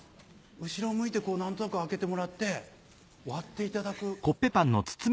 後ろを向いて何となく開けてもらって割っていただく。